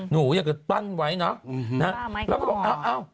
หนูอยากจะตั้งไว้เนาะ